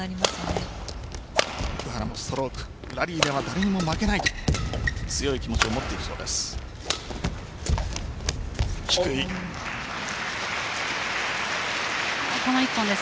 奥原もストロークラリーでは誰にも負けないという強い気持ちを持っています。